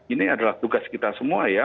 ini adalah tugas kita semua ya